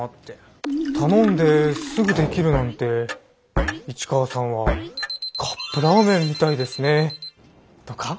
「頼んですぐできるなんて市川さんはカップラーメンみたいですね」とか。